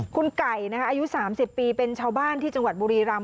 คุณไก่อายุ๓๐ปีเป็นชาวบ้านที่จังหวัดบุรีรำ